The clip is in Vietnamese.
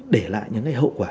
để lại những cái hậu quả